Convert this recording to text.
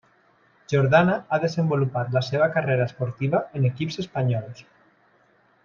Jordana ha desenvolupat la seva carrera esportiva en equips espanyols.